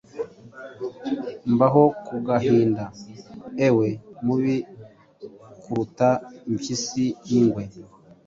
Mbaho ku gahinda! Ewe mubi kuruta impyisi n'ingwe,